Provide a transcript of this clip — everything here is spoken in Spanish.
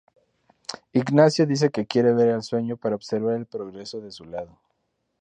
Ignacio dice que quiere ver el sueño para observar el progreso de su lado.